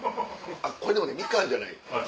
これでもみかんじゃない。